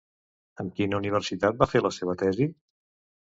Amb quina universitat va fer la seva tesi?